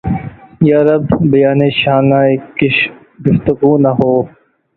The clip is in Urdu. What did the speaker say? یارب! بیانِ شانہ کشِ گفتگو نہ ہو!